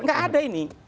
nggak ada ini